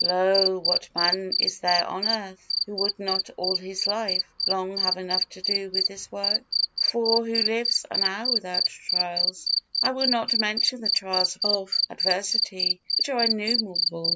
Lo! what man is there on earth, who would not all his life long have enough to do with this work? For who lives an hour without trials? I will not mention the trials of adversity, which are innumerable.